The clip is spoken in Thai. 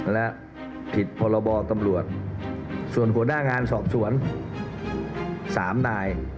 และผิดพรบตำรวจส่วนหัวหน้างานสอบสวน๓นาย